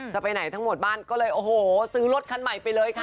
จะไปไหนทั้งหมดบ้านก็เลยโอ้โหซื้อรถคันใหม่ไปเลยค่ะ